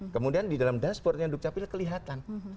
kemudian di dalam dashboardnya duk capil kelihatan